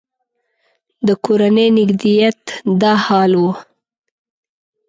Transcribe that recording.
د کورني نږدېکت دا حال و.